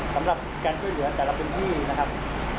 สำหรับการช่วยเหลือแต่ละพื้นที่นะครับ